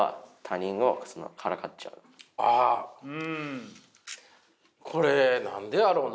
あこれ何でやろうな？